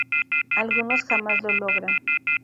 Algunos jamás lo logran.